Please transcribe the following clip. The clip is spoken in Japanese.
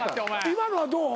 今のはどう？